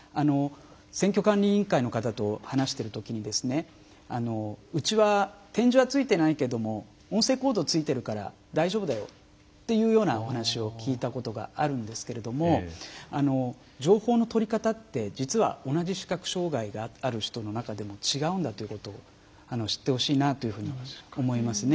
選挙管理委員会の方と話している時にうちは、点字はついていないけど音声コードがついているから大丈夫だよというようなお話を聞いたことがあるんですけれども情報の取り方って実は、同じ視覚障害がある人の中でも違うんだということを知ってほしいと思いますね。